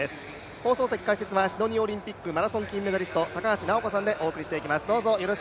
放送席解説はシドニーオリンピックマラソン金メダリスト、高橋尚子さんです。